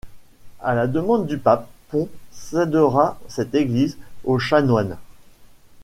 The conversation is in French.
À la demande du pape, Pons cèdera cette église aux chanoines.